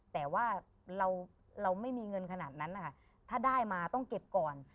แต่ว่าเราไม่มีเงินขนาดนั้นนะคะถ้าได้มาต้องเก็บก่อน